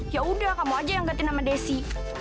yaudah kamu aja yang ganti nama desi